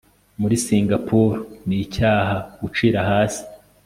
muri singapuru, nicyaha gucira hasi